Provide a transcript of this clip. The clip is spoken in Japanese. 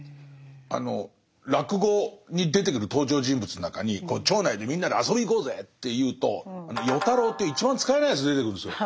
あの落語に出てくる登場人物の中に町内でみんなで遊びに行こうぜっていうと与太郎っていう一番使えないやつ出てくるんですよ。